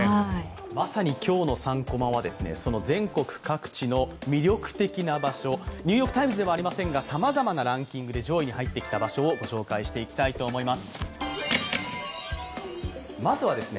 まさに今日の３コマは全国各地の魅力的な場所、「ニューヨーク・タイムズ」ではありませんが、さまざまなランキングで上位に入ってきた場所をご紹介したいと思います。